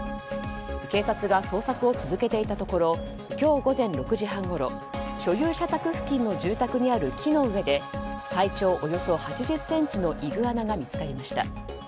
警察が捜索を続けていたところ今日午前６時半ごろ所有者宅付近の住宅にある木の上で体長およそ８０ｃｍのイグアナが見つかりました。